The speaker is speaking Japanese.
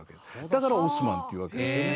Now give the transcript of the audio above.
だから「オスマン」というわけですよね。